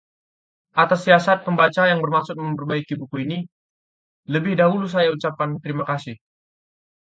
atas siasat pembaca yang bermaksud memperbaiki buku ini, lebih dahulu saya ucapkan terima kasih